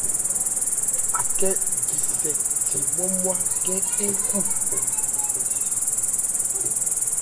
Akhɛ́ jisɛ thi nmwá-nmwá khɛ́n n khu.